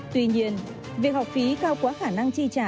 tuy nhiên việc học phí cao quá khả năng chi trả